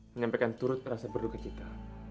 menyampaikan turut merasa berduka kita